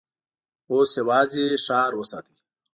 اوس يواځې ښار وساتئ!